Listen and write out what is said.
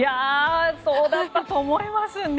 そうだったと思いますね。